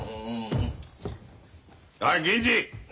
おい銀次！